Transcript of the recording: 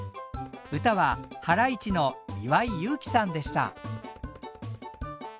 歌はハライチの岩井勇気さんでした。